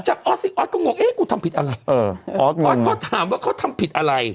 ออสสิออสก็งงเอ๊ะกูทำผิดอะไรเออออสออสเขาถามว่าเขาทำผิดอะไร